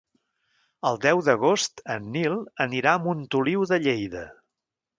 El deu d'agost en Nil anirà a Montoliu de Lleida.